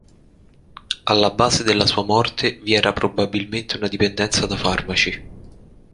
Alla base della sua morte vi era probabilmente una dipendenza da farmaci.